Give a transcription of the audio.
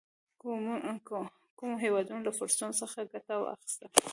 کومو هېوادونو له فرصتونو څخه ګټه واخیسته.